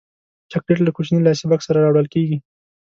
چاکلېټ له کوچني لاسي بکس سره راوړل کېږي.